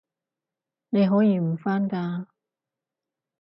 你可以唔返㗎